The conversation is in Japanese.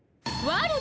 わる？